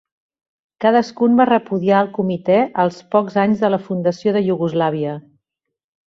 Cadascun va repudiar al Comitè als pocs anys de la fundació de Iugoslàvia.